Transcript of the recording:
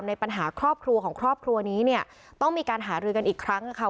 ในปัญหาครอบครัวของครอบครัวนี้เนี่ยต้องมีการหารือกันอีกครั้งค่ะ